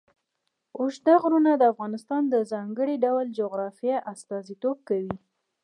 اوږده غرونه د افغانستان د ځانګړي ډول جغرافیه استازیتوب کوي.